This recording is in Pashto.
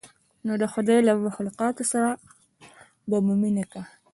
نو د خداى له مخلوقاتو سره به هم مينه کا.